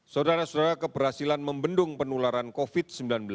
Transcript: saudara saudara keberhasilan membendung penularan covid sembilan belas